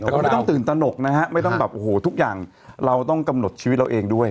แต่ก็ไม่ต้องตื่นตนกนะฮะไม่ต้องแบบโอ้โหทุกอย่างเราต้องกำหนดชีวิตเราเองด้วย